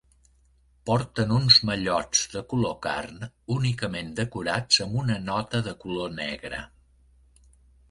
Porten uns mallots de color carn únicament decorats amb una nota de color negre.